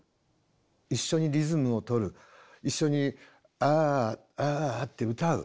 一緒にリズムをとる一緒に「ああ」って歌う。